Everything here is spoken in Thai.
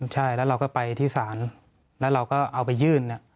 ใช่แล้วเราก็ไปที่ศาลแล้วเราก็เอาไปยื่น